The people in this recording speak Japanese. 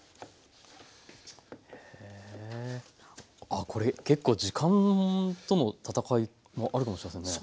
あっこれ結構時間との闘いもあるかもしれませんね。